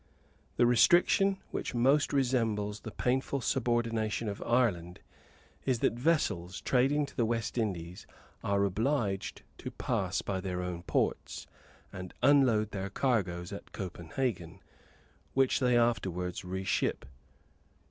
The restriction which most resembles the painful subordination of Ireland, is that vessels, trading to the West Indies, are obliged to pass by their own ports, and unload their cargoes at Copenhagen, which they afterwards reship.